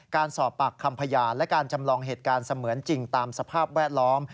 การสอบปากคำพยานและการจำลองเหตุการณ์เสมือนจริงตามสภาพแวดล้อม